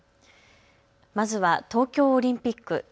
まずは東京オリンピック。